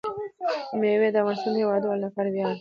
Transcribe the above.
مېوې د افغانستان د هیوادوالو لپاره ویاړ دی.